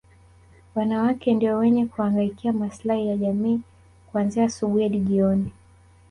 Wanawake ndio wenye kuhangaikia maslahi ya jamii kuanzia asubuhi hadi jioni